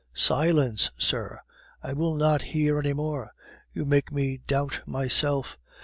"Silence, sir! I will not hear any more; you make me doubt myself.